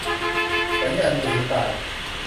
สัญญาณมือถือต่าง